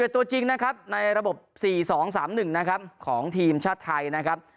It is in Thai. ตัวจริงนะครับในระบบ๔๒๓๑นะครับของทีมชาติไทยนะครับ